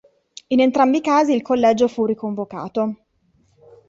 In entrambi i casi il collegio fu riconvocato.